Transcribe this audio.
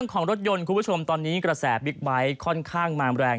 ของรถยนต์คุณผู้ชมตอนนี้กระแสบิ๊กไบท์ค่อนข้างมาแรง